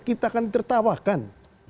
kita akan ditertawakan